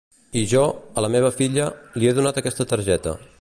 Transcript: I jo, a la meva filla, li he donat aquesta targeta.